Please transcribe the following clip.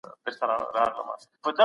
سرلوړي یوازي په استقامت کي پیدا کېږي.